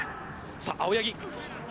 さあ青柳。